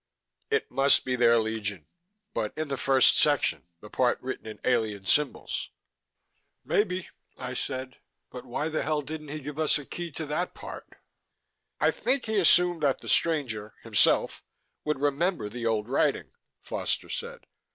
"It must be there, Legion; but in the first section, the part written in alien symbols." "Maybe," I said. "But why the hell didn't he give us a key to that part?" "I think he assumed that the stranger himself would remember the old writing," Foster said.